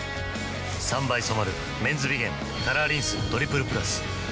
３倍染まる「メンズビゲンカラーリンストリプルプラス」